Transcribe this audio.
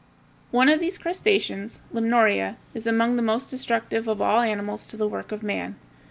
] One of these crustaceans, Limnoria, is among the most destructive of all animals to the work of man.